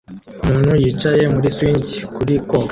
Umuntu yicaye muri swing kuri koga